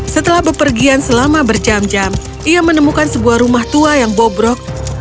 setelah bepergian selama berjam jam ia menemukan sebuah rumah tua yang bobrok